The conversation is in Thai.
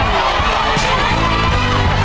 แม่ทีเอาใหญ่แล้ว